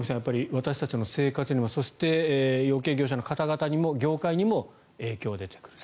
私たちの生活にもそして養鶏業者の方々や業界にも影響が出てくると。